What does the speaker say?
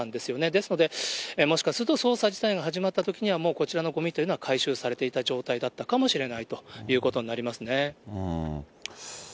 ですので、もしかすると捜査自体が始まったときには、もうこちらのごみというのは、回収されていた状態だったかもしれないということになりますね。